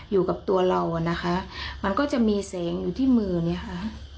อยู่กับตัวเราอ่ะนะคะมันก็จะมีแสงอยู่ที่มือเนี่ยค่ะ